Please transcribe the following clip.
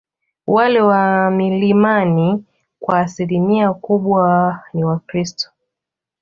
Wale wa milimani kwa asilimia kubwa ni wakristo